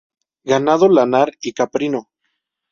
Ganado lanar y caprino.